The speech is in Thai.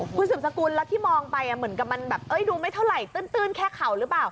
คุณสืบสกุลแล้วที่มองไปเหมือนกับมันแบบดูไม่เท่าไหร่ตื้นแค่เข่าหรือเปล่า